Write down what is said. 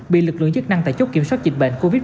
bị lực lượng chức năng tài chốc kiểm soát dịch bệnh